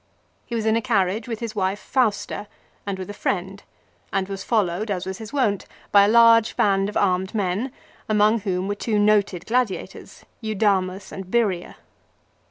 He was in a carriage with his wife Fausta, and with a friend, and was followed, as was his wont, by a large band of armed men, among whom were two noted gladiators, Eudamus and Birria.